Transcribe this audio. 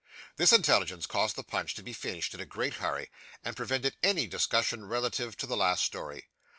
This intelligence caused the punch to be finished in a great hurry, and prevented any discussion relative to the last story.